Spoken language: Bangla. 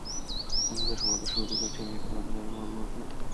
কোনো দেশ অন্য দেশের অধিকার ছিনিয়ে নিতে পারবে না—এই মর্মে ঐকমত্য থাকতে হবে।